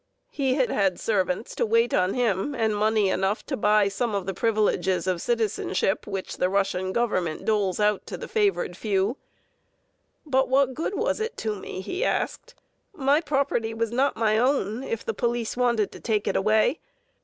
He had had servants to wait on him and money enough to buy some of the privileges of citizenship which the Russian Government doles out to the favored few. "But what good was it to me?" he asked. "My property was not my own if the police wanted to take it away.